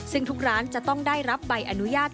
ซึ่งทุกร้านจะต้องได้รับใบอนุญาต